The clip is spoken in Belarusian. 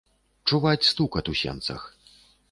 Чуваць стукат у сенцах.